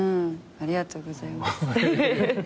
ありがとうございます。